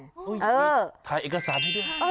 ไถเอกสารให้เจอ